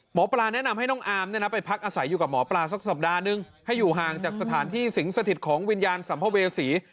หมอปลาแนะนำให้น้องอามไปพักอาศัยอยู่กับหมอปลาสักสัปดาห์นึงให้อยู่ห่างจากสถานที่สิงสถิตของวิญญาณสัมภเวษี